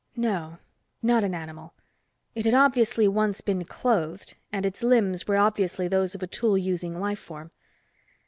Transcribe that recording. No, not an animal. It had obviously once been clothed, and its limbs were obviously those of a tool using life form.